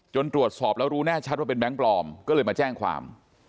ตรวจสอบแล้วรู้แน่ชัดว่าเป็นแก๊งปลอมก็เลยมาแจ้งความ